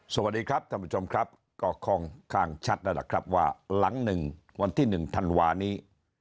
สวัสดีครับท่านผู้ชมครับก็ค่อนข้างชัดแล้วล่ะครับว่าหลังหนึ่งวันที่๑ธันวานี้